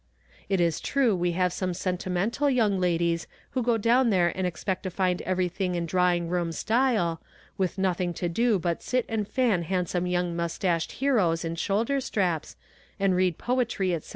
It is true we have some sentimental young ladies, who go down there and expect to find everything in drawing room style, with nothing to do but sit and fan handsome young mustached heroes in shoulder straps, and read poetry, etc.